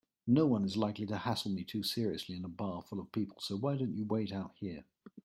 Noone is likely to hassle me too seriously in a bar full of people, so why don't you wait out here?